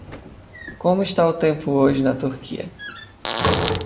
Como está o tempo hoje na Turquia?